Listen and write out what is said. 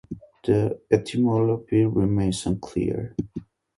The etymology remains unclear.